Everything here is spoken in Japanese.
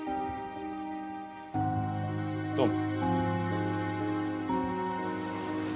どうも。